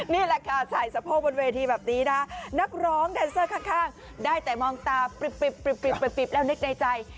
นี่แหละค่ะใส่สะโพกบนเวทีแบบนี้นะนักร้องแดนเซอร์ข้างได้แต่มองตาปริบแล้วนึกในใจ